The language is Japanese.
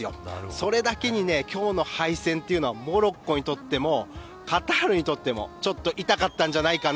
それだけに今日の敗戦はモロッコにとってもカタールにとってもちょっと痛かったんじゃないかな